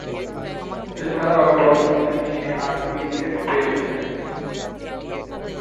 এছাড়াও, বল হাতে নিয়ে আট উইকেট পেয়েছেন।